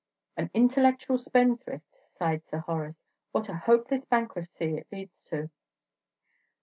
"An intellectual spendthrift," sighed Sir Horace "What a hopeless bankruptcy it leads to!"